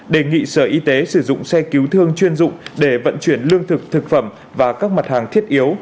đề nghị sở y tế sử dụng xe cứu thương chuyên dụng để vận chuyển lương thực thực phẩm và các mặt hàng thiết yếu